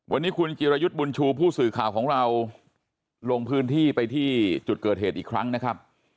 วันนี้คุณจิรยุทธ์บุญชูผู้สื่อข่าวของเราลงพื้นที่ไปที่จุดเกิดเหตุอีกครั้งนะครับ